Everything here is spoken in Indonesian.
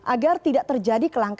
agar tidak terjadi kekelangan